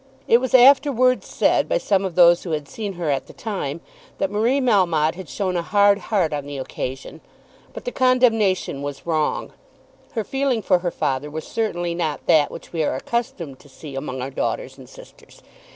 It was afterwards said by some of those who had seen her at the time, that Marie Melmotte had shown a hard heart on the occasion. But the condemnation was wrong. Her feeling for her father was certainly not that which we are accustomed to see among our daughters and sisters.